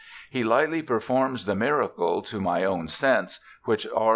He lightly performs the miracle, to my own sense, which R.